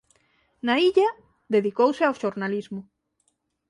Na illa dedicouse ao xornalismo.